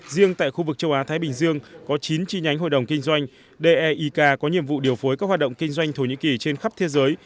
riêng tại khu vực châu á thái bình dương có chín chi nhánh hội đồng kinh doanh deik có nhiệm vụ điều phối các hoạt động kinh doanh thổ nhĩ kỳ trên khắp thế giới